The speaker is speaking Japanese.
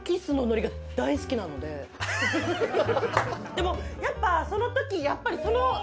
でもやっぱその時やっぱり。